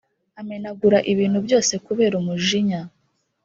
amenagura ibintu byose kubera umujinya